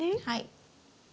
はい。